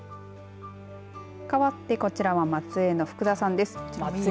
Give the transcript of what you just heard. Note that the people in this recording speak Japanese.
かわってこちらは松江の福田さんです。